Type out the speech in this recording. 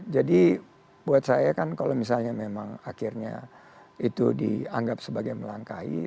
jadi buat saya kan kalau misalnya memang akhirnya itu dianggap sebagai melangkahi